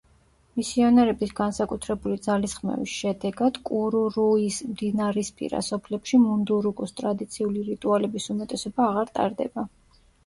მისიონერების განსაკუთრებული ძალისხმევის შედეგად კურურუის მდინარისპირა სოფლებში მუნდურუკუს ტრადიციული რიტუალების უმეტესობა აღარ ტარდება.